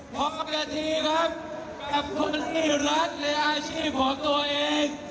พร้อมกับเวทีครับกับคนที่รักในอาชีพของตัวเอง